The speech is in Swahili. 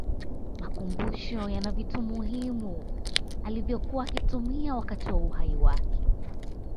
makumbusho yana vitu muhimu alivyokuwa akitumia wakati wa uhai wake